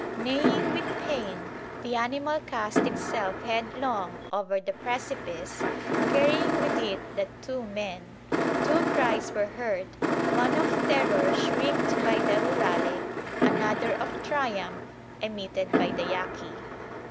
Neighing with pain, the animal cast itself headlong over the precipice, carrying with it the two men. Two cries were heard, one of terror shrieked by the Rurale, another of triumph emitted by the Yaqui.